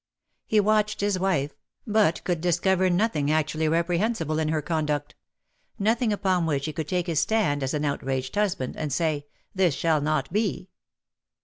He watched his wife^ but could discover nothing actually reprehensible in her conduct — nothing upon which he could take his stand as an outraged husband, and say " This shall not be.